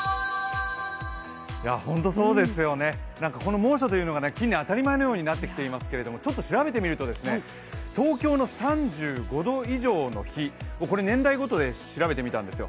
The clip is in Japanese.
本当にそうですよね、猛暑というのが近年当たり前になってきていますけれども、ちょっと調べてみると、東京の３５度以上の日、年代ごとで調べてみたんですよ。